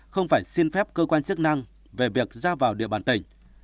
không phải xin phép cơ quan chức năng về việc ra vào địa bàn tỉnh